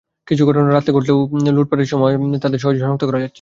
কিছু ঘটনা রাতে ঘটলেও লুটপাটের সময় তাঁদের সহজেই শনাক্ত করা যাচ্ছে।